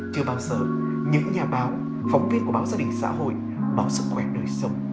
chưa bao giờ những nhà báo phóng viên của báo gia đình xã hội bảo sức khỏe đời sống